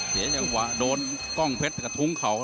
เสียจังหวะโดนกล้องเพชรกระทุ้งเขา